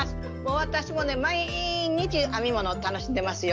私もね毎日編み物を楽しんでますよ。